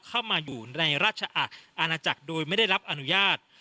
เข้ามาอยู่ในราชอาณาจักรโดยไม่ได้รับอนุญาต